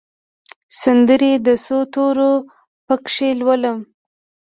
سندرې د څو تورو پکښې لولم